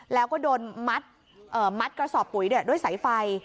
แล้วก็โดนมัดเอ่อมัดกระสอบปุ๋ยด้วยด้วยสายไฟ